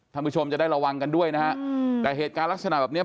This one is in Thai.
ผู้ชมจะได้ระวังกันด้วยนะฮะแต่เหตุการณ์ลักษณะแบบเนี้ย